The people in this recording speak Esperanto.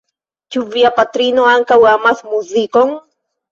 Ĉu via patrino ankaŭ amas muzikon?